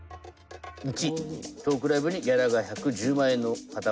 「①トークライブにギャラが１１０万円の方を呼ぶ」。